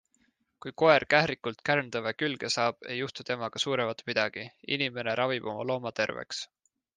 Kui koer kährikult kärntõve külge saab, ei juhtu temaga suuremat midagi - inimene ravib oma looma terveks.